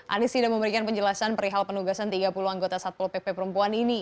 anies tidak memberikan penjelasan perihal penugasan tiga puluh anggota satpol pp perempuan ini